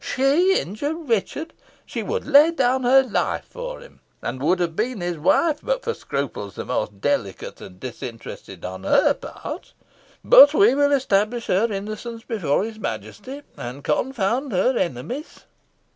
She injure Richard! she would lay down her life for him and would have been his wife, but for scruples the most delicate and disinterested on her part. But we will establish her innocence before his Majesty, and confound her enemies."